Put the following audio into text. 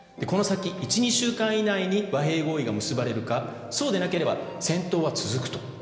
この先１２週間以内に和平合意が結ばれるかそうでなければ戦闘は続くと。